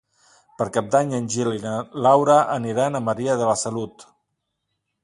Per Cap d'Any en Gil i na Laura aniran a Maria de la Salut.